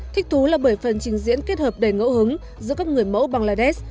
thích thú là bởi phần trình diễn kết hợp đầy ngẫu hứng giữa các người mẫu bangladesh